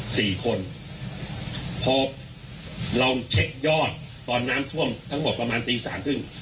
สี่คนพอเราเช็คยอดตอนน้ำท่วมทั้งหมดประมาณตีสามครึ่ง